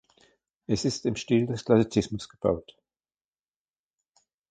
Es ist im Stil des Klassizismus gebaut.